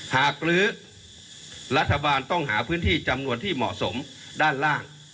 กรื้อรัฐบาลต้องหาพื้นที่จำนวนที่เหมาะสมด้านล่าง